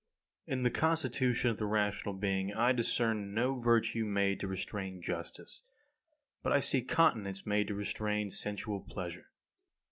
39. In the constitution of the rational being I discern no virtue made to restrain justice; but I see continence made to restrain sensual pleasure.